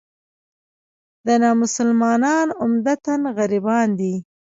دا نامسلمانان عمدتاً غربیان دي.